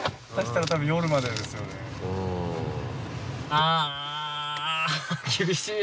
あ厳しい。